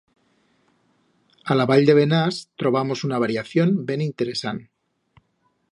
A la Vall de Benás trobamos una variación ben interesant.